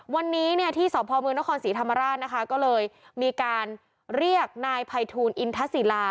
วันนี้ที่สอบพอมือนครศรีธรรมราชก็เลยมีการเรียกนายภัยทูลอินทศิลา